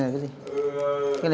em không biết đâu